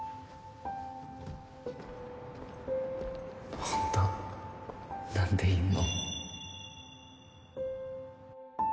ホント何でいんの